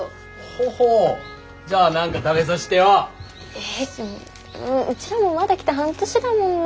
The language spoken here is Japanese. えうちらもまだ来て半年だもんな。